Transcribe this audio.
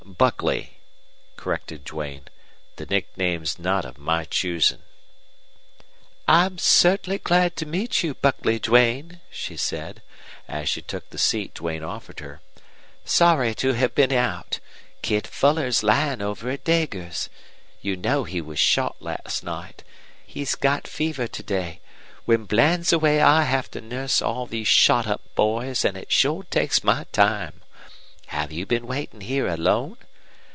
"Buckley," corrected Duane. "The nickname's not of my choosing." "I'm certainly glad to meet you, Buckley Duane," she said, as she took the seat Duane offered her. "Sorry to have been out. Kid Fuller's lying over at Deger's. You know he was shot last night. He's got fever to day. When Bland's away I have to nurse all these shot up boys, and it sure takes my time. Have you been waiting here alone?